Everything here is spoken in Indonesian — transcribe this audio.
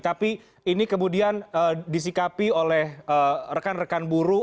tapi ini kemudian disikapi oleh rekan rekan buruh